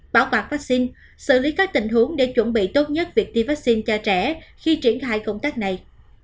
bảo bạc vaccine xử lý các tình huống để chuẩn bị tốt nhất việc tiêm vaccine cho trẻ khi triển khai công tác này